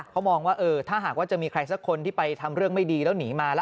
เขามองว่าถ้าหากว่าจะมีใครสักคนที่ไปทำเรื่องไม่ดีแล้วหนีมาแล้ว